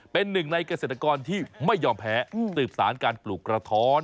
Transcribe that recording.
เป็นหนึ่งในเกษตรกรที่ไม่ยอมแพ้สืบสารการปลูกกระท้อน